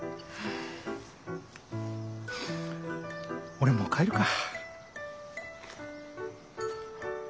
俺も帰るか。